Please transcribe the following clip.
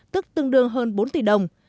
tức tương đương hơn bốn tỷ đồng